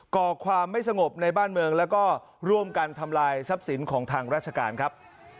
ก่อความไม่สงบในบ้านเมืองแล้วก็ร่วมกันทำลายทรัพย์สินของทางราชการครับ